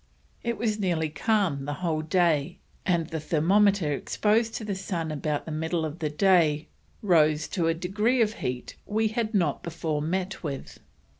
It was nearly calm the whole day, and the thermometer exposed to the sun about the middle of the day rose to a degree of heat we have not before met with."